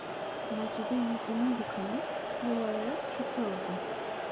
Macide yüzünü yıkamış, kurulayarak çıkıyordu.